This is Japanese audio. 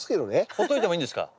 ほっといてもいいんですか？